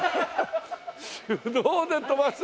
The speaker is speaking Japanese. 手動で飛ばすんだ。